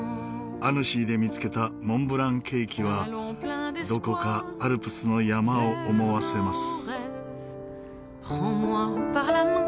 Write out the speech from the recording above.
アヌシーで見つけたモンブランケーキはどこかアルプスの山を思わせます。